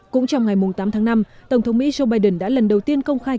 cũng trong ngày tám tháng năm tổng thống mỹ joe biden đã lần đầu tiên công khai